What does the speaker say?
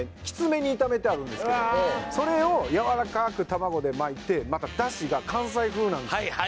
きつめに炒めてあるんですけどそれをやわらかく卵で巻いてまたなんですよ